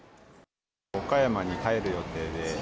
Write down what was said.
岡山に帰る予定で。